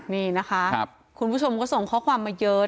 นี่นะคะคุณผู้ชมก็ส่งข้อความมาเยอะ